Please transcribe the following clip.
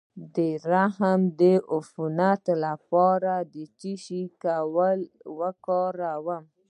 د رحم د عفونت لپاره د څه شي ګولۍ وکاروم؟